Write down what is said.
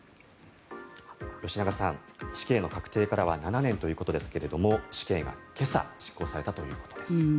吉永さん、死刑の確定からは７年ということですが死刑が今朝執行されたということです。